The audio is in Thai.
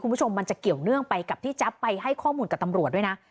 คุณผู้ชมมันจะเกี่ยวเนื่องไปกับที่จั๊บไปให้ข้อมูลกับตำรวจด้วยนะ